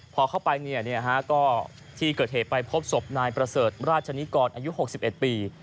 พอเข้าไปที่เกิดเหตุไปพบศพนายประเสริฐราชนิกรอายุ๖๑ปี